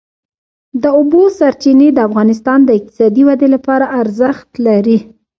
د اوبو سرچینې د افغانستان د اقتصادي ودې لپاره ارزښت لري.